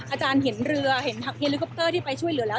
อาจารย์เห็นเรือเห็นเฮลิคอปเตอร์ที่ไปช่วยเหลือแล้ว